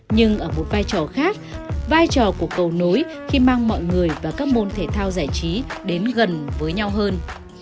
nhưng ở một vai trò khác vai trò của cầu nối khi mang mọi người và các môn thể thao giải trí đến gần với nhau hơn